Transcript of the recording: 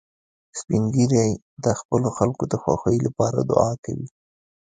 سپین ږیری د خپلو خلکو د خوښۍ لپاره دعا کوي